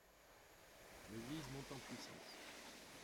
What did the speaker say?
L'Église monte en puissance.